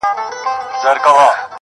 o زما دردونه د دردونو ښوونځی غواړي.